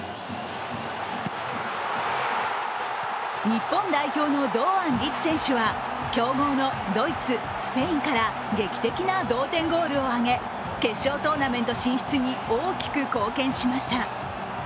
日本代表の堂安律選手は、強豪のドイツ、スペインから劇的な同点ゴールを挙げ、決勝トーナメント進出に大きく貢献しました。